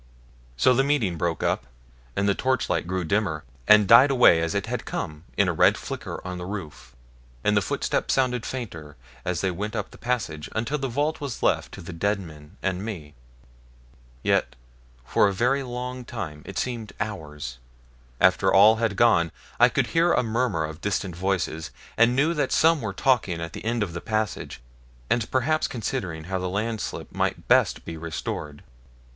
So the meeting broke up, and the torchlight grew dimmer, and died away as it had come in a red flicker on the roof, and the footsteps sounded fainter as they went up the passage, until the vault was left to the dead men and me. Yet for a very long time it seemed hours after all had gone I could hear a murmur of distant voices, and knew that some were talking at the end of the passage, and perhaps considering how the landslip might best be restored.